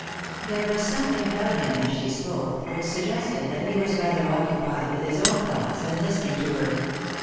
There was something about him, as she spoke, which suggested that he was rather occupied with his own thoughts than listening to her.